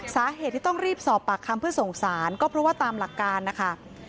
สาเหตุที่ต้องรีบสอบปากคำเพื่อส่งสารก็เพราะว่าตามหลักการนะคะ